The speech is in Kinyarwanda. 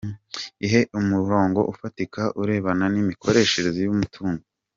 Ihe umurongo ufatika urebana n’imikoreshereze y’umutungo.